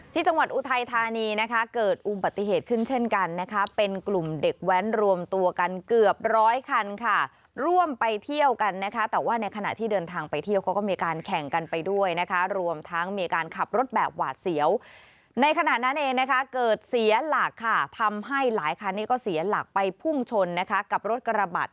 อุทัยธานีนะคะเกิดอุบัติเหตุขึ้นเช่นกันนะคะเป็นกลุ่มเด็กแว้นรวมตัวกันเกือบร้อยคันค่ะร่วมไปเที่ยวกันนะคะแต่ว่าในขณะที่เดินทางไปเที่ยวเขาก็มีการแข่งกันไปด้วยนะคะรวมทั้งมีการขับรถแบบหวาดเสียวในขณะนั้นเองนะคะเกิดเสียหลักค่ะทำให้หลายคันนี้ก็เสียหลักไปพุ่งชนนะคะกับรถกระบะ